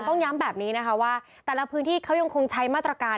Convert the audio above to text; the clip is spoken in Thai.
ต้องย้ำแบบนี้นะคะว่าแต่ละพื้นที่เขายังคงใช้มาตรการ